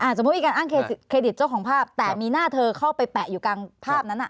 สมมุติมีการอ้างเครดิตเจ้าของภาพแต่มีหน้าเธอเข้าไปแปะอยู่กลางภาพนั้น